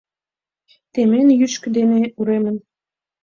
Темен йӱкшӧ дене уремым.